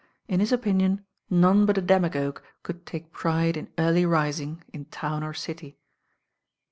In his opinion none but a demagogue could take pride in carly rising in town or city.